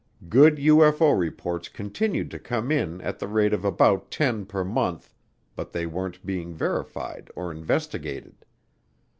Good UFO reports continued to come in at the rate of about ten per month but they weren't being verified or investigated.